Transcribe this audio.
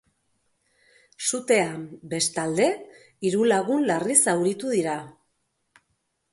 Sutean, bestalde, hiru lagun larri zauritu dira.